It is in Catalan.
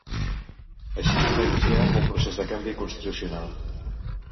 Així es va iniciar un procés de canvi constitucional.